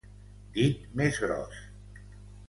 Dit més gros.